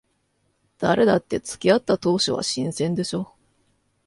誰だって付き合った当初は新鮮でしょ。